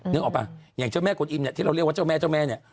นึกออกป่ะอย่างเจ้าแม่กลอิมเนี่ยที่เราเรียกว่าเจ้าแม่เจ้าแม่เนี่ย